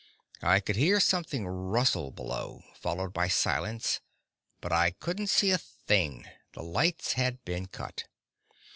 I could hear something rustle below, followed by silence, but I couldn't see a thing; the lights had been cut.